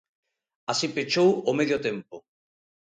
Así pechou o medio tempo.